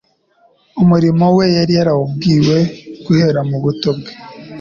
Umurimo we yari yarawubwiwe guhera mu buto bwe,